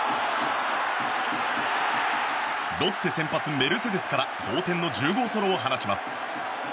ロッテ先発メルセデスから同点の１０号ソロを放ちます。